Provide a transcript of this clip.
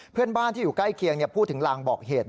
เพื่อนบ้านที่อยู่ใกล้เคียงพูดถึงลางบอกเหตุ